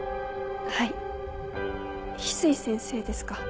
はい翡翠先生ですか？